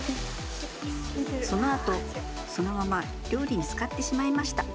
そのあと、そのまま料理に使ってしまいました。